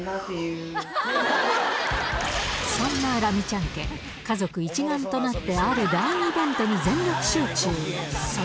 そんなラミちゃん家、家族一丸となってある大イベントに全力集中。